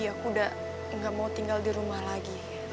aku udah gak mau tinggal di rumah lagi